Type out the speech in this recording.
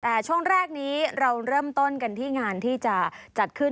แต่ช่วงแรกนี้เราเริ่มต้นกันที่งานที่จะจัดขึ้น